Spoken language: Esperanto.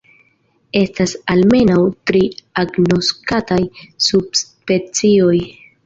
Estas almenaŭ tri agnoskataj subspecioj.